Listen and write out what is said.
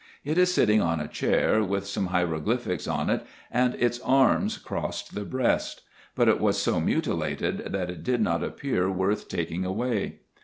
It is sitting on a chair, with some hieroglyphics on it, and its arms crossing the breast : but it was so mutilated, that it did not appear worth taking away.